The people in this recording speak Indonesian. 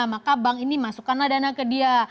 maka bank ini masukkanlah dana ke dia